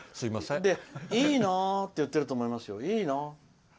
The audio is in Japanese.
いいなって言ってると思いますよ。